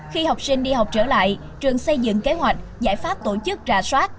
khi học sinh đi học trở lại trường xây dựng kế hoạch giải pháp tổ chức rà soát